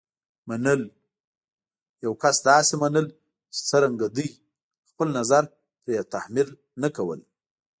منل: یو کس داسې منل چې څرنګه دی. خپل نظر پرې تحمیل نه کول.